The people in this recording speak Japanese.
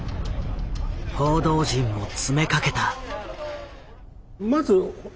報道陣も詰めかけた。